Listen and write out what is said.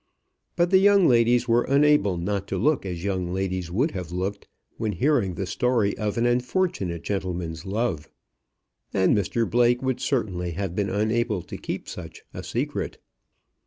But the young ladies were unable not to look as young ladies would have looked when hearing the story of an unfortunate gentleman's love. And Mr Blake would certainly have been unable to keep such a secret.